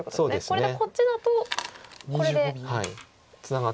これでこっちだとこれで特に何も。